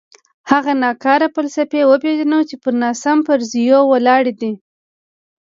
هغه ناکاره پالیسۍ وپېژنو چې پر ناسم فرضیو ولاړې دي.